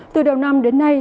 từ đầu năm đến nay